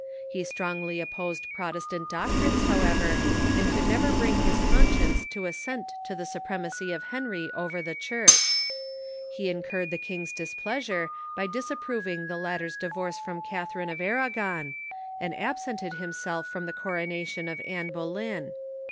He strongly opposed Protestant doctrines, however, and could never bring his conscience to assent to the suprem acy of Henry over the Church. He incurred the king's dis pleasure by disapproving the latter's divorce from Catharine of Aragon, and absented himself from the coronation of Anne Boleyn.